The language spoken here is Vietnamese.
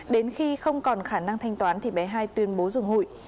đến khi không còn khả năng thanh toán thì bé hai tuyên bố dừng hụi